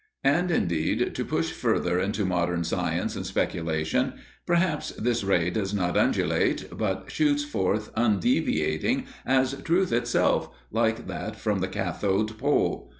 And indeed, to push further into modern science and speculation, perhaps this ray does not undulate, but shoots forth undeviating as Truth itself, like that from the Cathode Pole.